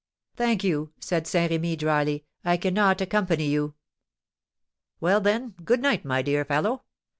"Thank you," said Saint Remy, dryly, "I cannot accompany you." "Well, then, good night, my dear fellow.